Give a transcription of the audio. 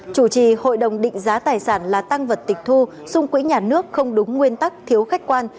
chủ trì hội đồng định giá tài sản là tăng vật tịch thu xung quỹ nhà nước không đúng nguyên tắc thiếu khách quan